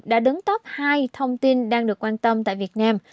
đã đứng top hai thông tin đang được quan tâm tại việt nam